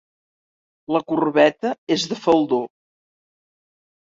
La coberta és de faldó.